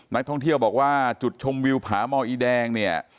นักท่องเที่ยวบอกว่าจุดชมวิวผาหมออีแดงเนี่ย